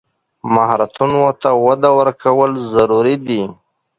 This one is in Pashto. مهارتونو ته وده ورکول ضروري دي.